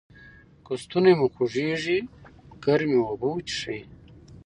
که ستونی مو خوږیږي ګرمې اوبه وڅښئ.